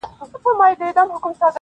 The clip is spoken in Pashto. • د مطرب د زړه بړاس نغمه نغمه سي..